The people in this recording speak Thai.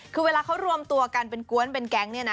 คือเวลาเขารวมตัวกันเป็นกวนเป็นแก๊งเนี่ยนะ